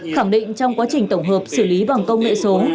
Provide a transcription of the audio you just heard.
khẳng định trong quá trình tổng hợp xử lý bằng công nghệ số